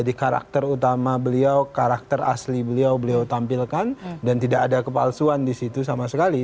di karakter utama beliau karakter asli beliau beliau tampilkan dan tidak ada kepalsuan di situ sama sekali